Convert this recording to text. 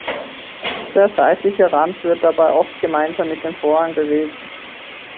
Der seitliche Rand wird dabei oft gemeinsam mit dem Vorhang bewegt.